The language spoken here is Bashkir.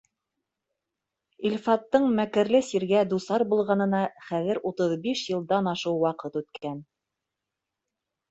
Илфаттың мәкерле сиргә дусар булғанына хәҙер утыҙ биш йылдан ашыу ваҡыт үткән.